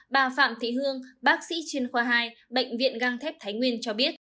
bà phạm thị hương bác sĩ chuyên khoa hai bệnh viện găng thép thái nguyên cho biết